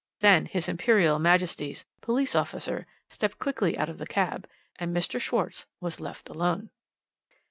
"Then His Imperial Majesty's police officer stepped quickly out of the cab, and Mr. Schwarz was left alone."